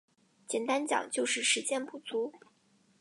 简单讲就是时间不足